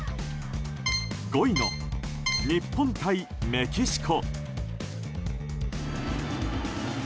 ５位の日本対メキシコ。